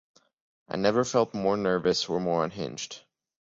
I never felt more nervous or more unhinged.